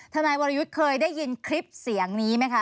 ทนายวรยุทธ์เคยได้ยินคลิปเสียงนี้ไหมคะ